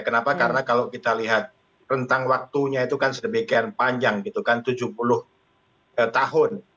kenapa karena kalau kita lihat rentang waktunya itu kan sedemikian panjang gitu kan tujuh puluh tahun